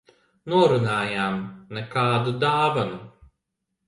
Norunājām - nekādu dāvanu.